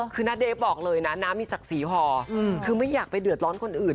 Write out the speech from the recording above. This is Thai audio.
คือณเดฟบอกเลยนะน้ามีศักดิ์ศรีพอคือไม่อยากไปเดือดร้อนคนอื่น